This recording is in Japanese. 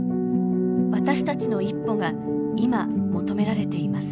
私たちの一歩が今求められています。